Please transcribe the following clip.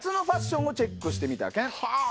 はあ！